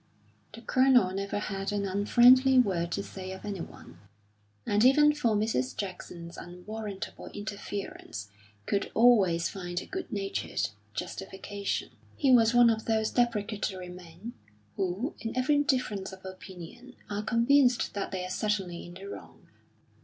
The Colonel never had an unfriendly word to say of anyone, and even for Mrs. Jackson's unwarrantable interferences could always find a good natured justification. He was one of those deprecatory men who, in every difference of opinion, are convinced that they are certainly in the wrong.